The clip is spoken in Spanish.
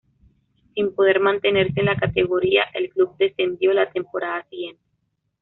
Sin poder mantenerse en la categoría, el club descendió la temporada siguiente.